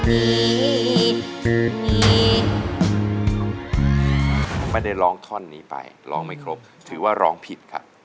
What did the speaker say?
คืนนี้ไม่ได้ร้องท่อนนี้ไปร้องไม่ครบถือว่าร้องผิดครับ